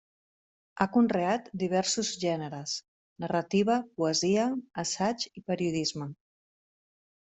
Ha conreat diversos gèneres: narrativa, poesia, assaig i periodisme.